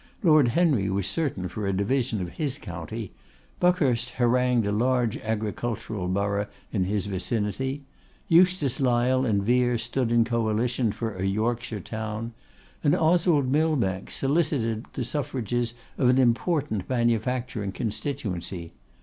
Lord Henry was certain for a division of his county; Buckhurst harangued a large agricultural borough in his vicinity; Eustace Lyle and Vere stood in coalition for a Yorkshire town; and Oswald Millbank solicited the suffrages of an important manufacturing constituency.